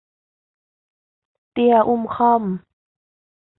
เตี้ยอุ้มค่อม